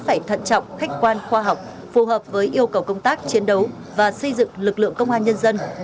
tổ chức bộ máy phải thận trọng khách quan khoa học phù hợp với yêu cầu công tác chiến đấu và xây dựng lực lượng công an nhân dân